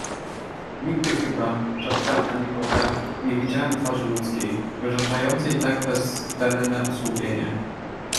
"Nigdy chyba, przedtem, ani potem, nie widziałem twarzy ludzkiej, wyrażającej tak bezdenne osłupienie!"